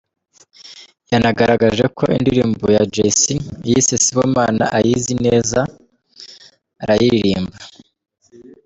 Yanagaragaje ko indirimbo ya Jay C yise ‘Sibomana’ ayizi neza arayiririmba.